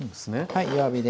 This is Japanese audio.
はい弱火で。